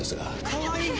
かわいい！